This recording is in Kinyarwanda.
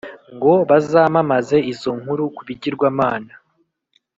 ngo bazamamaze izo nkuru ku bigirwamana